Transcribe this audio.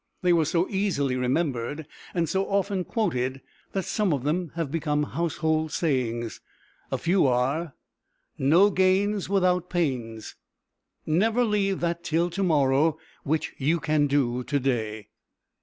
They were so easily remembered, and so often quoted, that some of them have become household sayings. A few are: "No gains without pains." "Never leave that till to morrow which you can do to day."